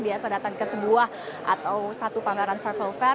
biasa datang ke sebuah atau satu pameran travel fair